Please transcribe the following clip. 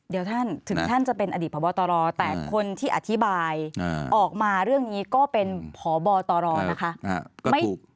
เดี๋ยวท่านถึงท่านจะเป็นอดีตพบตรแต่คนที่อธิบายออกมาเรื่องนี้ก็เป็นพบตรนะคะ